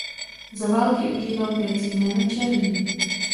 Za války užíval krycí jméno Černý.